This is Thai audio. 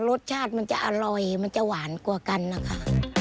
รสชาติมันจะอร่อยมันจะหวานกว่ากันนะคะ